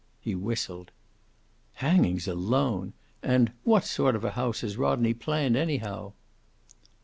He whistled. "Hangings alone! And what sort of a house has Rodney planned, anyhow?"